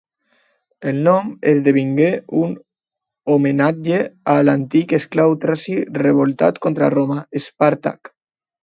El nom esdevingué un homenatge a l'antic esclau traci revoltat contra Roma, Espàrtac.